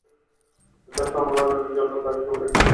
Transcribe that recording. আর সামলানোর জন্য থাকে কেবল এক ড্রাইভার।